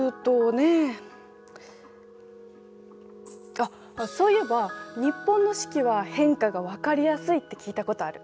あっそういえば日本の四季は変化が分かりやすいって聞いたことある。